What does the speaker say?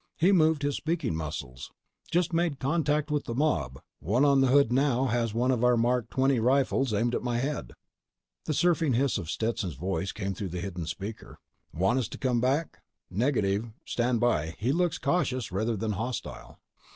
He moved his speaking muscles: "Just made contact with the mob. One on the hood now has one of our Mark XX rifles aimed at my head." The surf hissing of Stetson's voice came through the hidden speaker: "Want us to come back?" _"Negative. Stand by. He looks cautious rather than hostile."